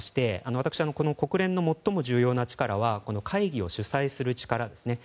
私、国連の最も重要な力は会議を主催する力ですね。